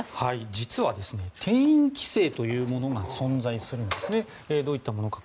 実は定員規制というものが存在するんですね。